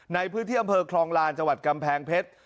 ในพื้นที่อำเภอคลองลานจังหวัดกำแพงเพชร